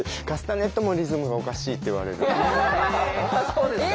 そうですか。